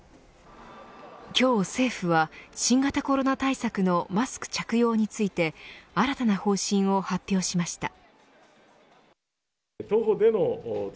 今日、政府は新型コロナ対策のマスク着用について新たな方針を発表しました。